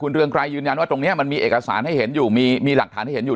เรืองไกรยืนยันว่าตรงนี้มันมีเอกสารให้เห็นอยู่มีหลักฐานให้เห็นอยู่